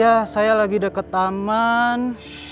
ya saya lagi dekat taman